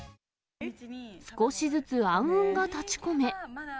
少しずつ暗雲が立ち込め。